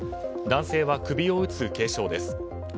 男性は首を打つ軽傷です。